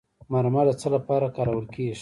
مرمر د څه لپاره کارول کیږي؟